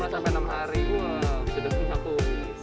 lima enam hari gue sedang dihapus